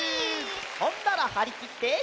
ほんならはりきって。